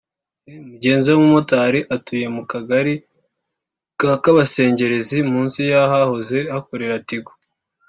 Mugenzi we w’umumotari utuye mu Kagali ka Kabasengerezi munsi y’ahahoze hakorera Tigo